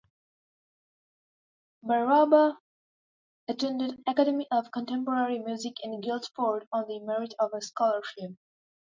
Berrabah attended Academy of Contemporary Music in Guildford on the merit of a scholarship.